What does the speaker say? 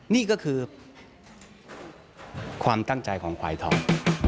นี่ก็คือความตั้งใจของควายทอง